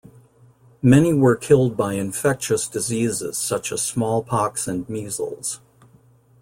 Many were killed by infectious diseases such as smallpox and measles.